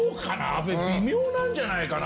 阿部微妙なんじゃないかな？